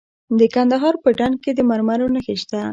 د کندهار په ډنډ کې د مرمرو نښې شته.